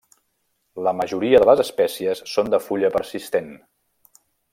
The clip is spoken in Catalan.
La majoria de les espècies són de fulla persistent.